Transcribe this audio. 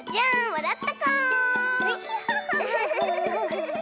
わらったかお！